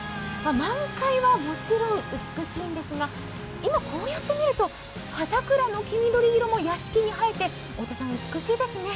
満開はもちろん美しいんですが、今、こうやってみると葉桜の黄緑色も屋敷に映えて美しいですね。